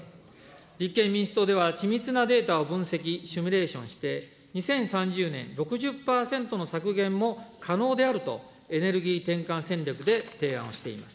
立憲民主党では、緻密なデータを分析、シミュレーションして、２０３０年、６０％の削減も可能であるとエネルギー転換戦略で提案しています。